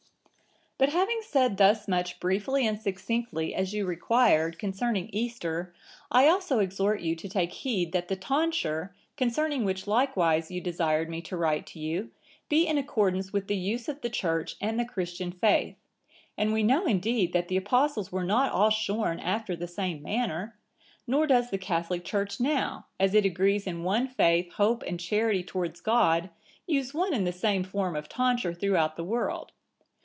"But having said thus much briefly and succinctly, as you required, concerning Easter, I also exhort you to take heed that the tonsure, concerning which likewise you desired me to write to you, be in accordance with the use of the Church and the Christian Faith. And we know indeed that the Apostles were not all shorn after the same manner, nor does the Catholic Church now, as it agrees in one faith, hope, and charity towards God, use one and the same form of tonsure throughout the world.